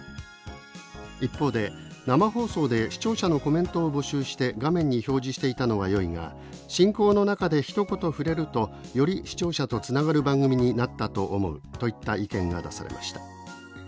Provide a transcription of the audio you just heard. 一方で「生放送で視聴者のコメントを募集して画面に表示していたのはよいが進行の中でひと言触れるとより視聴者とつながる番組になったと思う」といった意見が出されました。